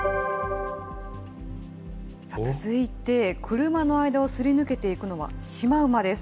続いて、車の間をすり抜けていくのは、シマウマです。